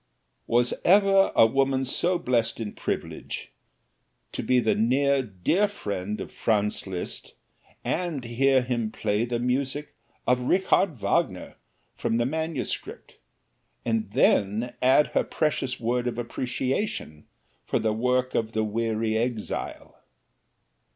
Was ever a woman so blest in privilege to be the near, dear friend of Franz Liszt and hear him play the music of Richard Wagner from the manuscript, and then add her precious word of appreciation for the work of the weary exile!